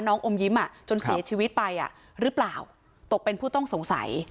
อมยิ้มอ่ะจนเสียชีวิตไปอ่ะหรือเปล่าตกเป็นผู้ต้องสงสัย